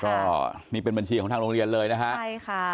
ก็นี่เป็นบัญชีของทางโรงเรียนเลยนะฮะใช่ค่ะ